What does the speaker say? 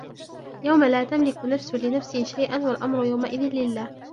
يوم لا تملك نفس لنفس شيئا والأمر يومئذ لله